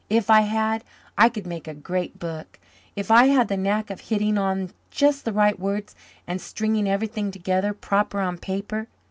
If I had, I could make a great book, if I had the knack of hitting on just the right words and stringing everything together proper on paper.